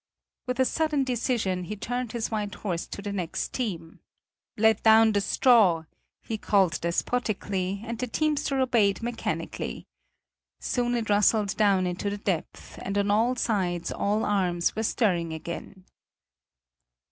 With a sudden decision, he turned his white horse to the next team: "Let down the straw!" he called despotically, and the teamster obeyed mechanically. Soon it rustled down into the depth, and on all sides all arms were stirring again.